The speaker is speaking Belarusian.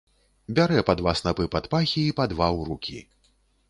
Бярэ па два снапы пад пахі й па два ў рукі.